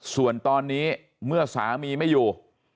ส่วนตอนนี้เมื่อสามีไม่อยู่